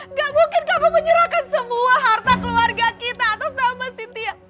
nggak mungkin kamu menyerahkan semua harta keluarga kita atas nama sintia